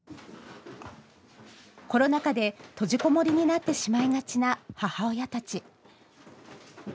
コロナ禍で閉じこもりになってしまいがちな母親たち。